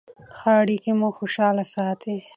ښه اړیکې موږ خوشحاله ساتي.